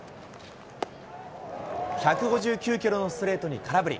１５９キロのストレートに空振り。